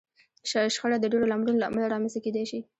شخړه د ډېرو لاملونو له امله رامنځته کېدای شي.